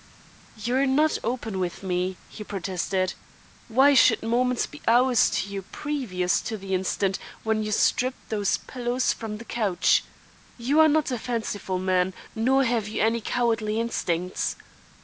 "You are not open with me," he protested. "Why should moments be hours to you previous to the instant when you stripped those pillows from the couch? You are not a fanciful man, nor have you any cowardly instincts.